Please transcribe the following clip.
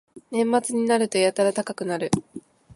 年末になるとやたら高くなる